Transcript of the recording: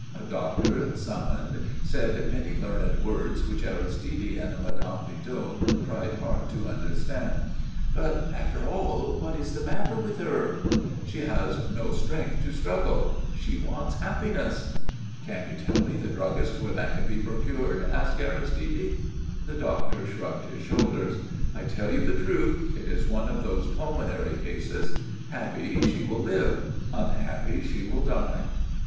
A doctor, summoned, said many learned words which Aristide and Mme. Bidoux tried hard to understand. "But, after all, what is the matter with her?" [Illustration: ARISTIDE PRACTISED HIS MANY QUEER ACCOMPLISHMENTS] "She has no strength to struggle. She wants happiness." "Can you tell me the druggist's where that can be procured?" asked Aristide. The doctor shrugged his shoulders. "I tell you the truth. It is one of those pulmonary cases. Happy, she will live; unhappy, she will die."